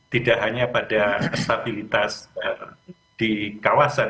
tidak hanya pada stabilitas di kawasan